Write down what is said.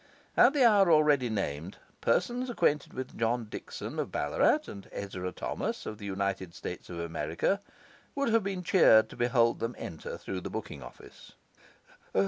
At the hour already named, persons acquainted with John Dickson, of Ballarat, and Ezra Thomas, of the United States of America, would have been cheered to behold them enter through the booking office.